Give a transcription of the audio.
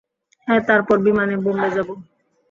হ্যাঁ, তারপর বিমানে বোম্বে যাব।